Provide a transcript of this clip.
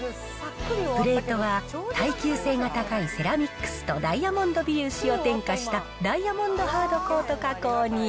プレートは、耐久性が高いセラミックスとダイヤモンド微粒子を添加したダイヤモンドハートコート加工に。